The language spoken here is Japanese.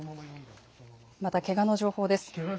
また、けがの情報です。